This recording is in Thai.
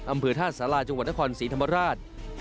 อำเภอท่าสาราจังหวัดนครศรีธรรมราช